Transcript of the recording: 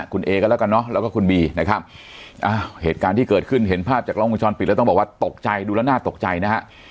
คุณเอกันแล้วกันเนาะแล้วก็คุณบีนะครับเหตุการณ์ที่เกิดขึ้นเห็นภาพจากล้องวงจรปิดแล้วต้องบอกว่าตกใจดูแล้วน่าตกใจนะฮะ